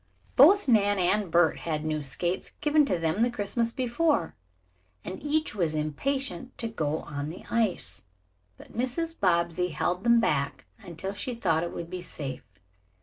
Both Nan and Bert had new skates, given to them the Christmas before, and each was impatient to go on the ice, but Mrs. Bobbsey held them back until she thought it would be safe.